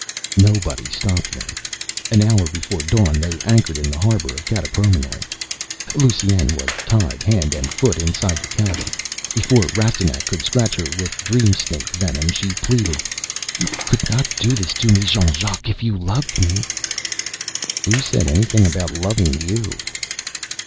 Nobody stopped them. An hour before dawn they anchored in the harbor of Kataproimnoin. Lusine was tied hand and foot inside the cabin. Before Rastignac could scratch her with dream snake venom, she pleaded, "You could not do this to me, Jean Jacques, if you loved me." "Who said anything about loving you?"